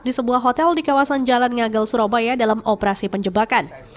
di sebuah hotel di kawasan jalan ngagel surabaya dalam operasi penjebakan